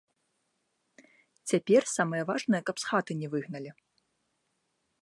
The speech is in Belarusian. Цяпер самае важнае, каб з хаты не выгналі.